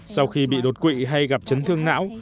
sau khi bị đột quỵ hay gặp chấn thương não